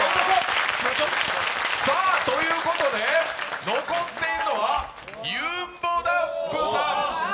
さあ、ということで残っているのはゆんぼだんぷさん。